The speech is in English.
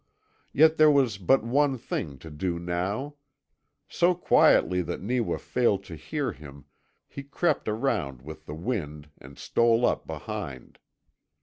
Yet there was but one thing to do now. So quietly that Neewa failed to hear him he crept around with the wind and stole up behind.